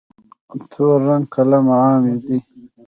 تور رنګ قلم عام دی.